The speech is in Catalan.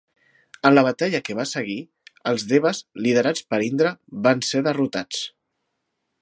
En la batalla que va seguir, els Devas, liderats per Indra, van ser derrotats.